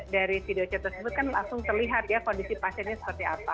dari video chat tersebut kan langsung terlihat ya kondisi pasiennya seperti apa